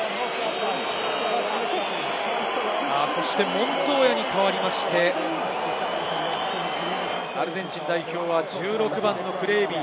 モントーヤに代わりまして、アルゼンチン代表は１６番のクレービー。